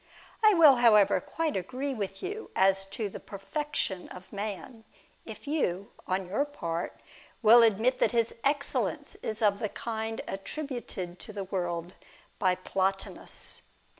I will, however, quite agree with you as to the perfection of man, if you on your part will admit that his excellence is of the kind attributed to the world by Plotinus.